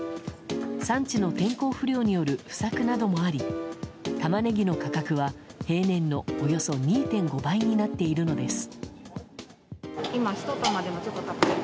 産地の天候不良による不作などもありタマネギの価格は平年のおよそ２．５倍になっているのです。